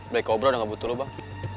black cobra udah gak butuh lo bang